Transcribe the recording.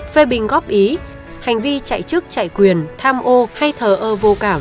phê bình góp ý hành vi chạy chức chạy quyền tham ô hay thờ ơ vô cảm